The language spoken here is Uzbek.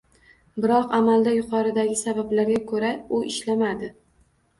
Biroq, amalda, yuqoridagi sabablarga ko'ra, u ishlamadi